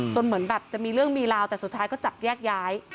เหมือนแบบจะมีเรื่องมีราวแต่สุดท้ายก็จับแยกย้าย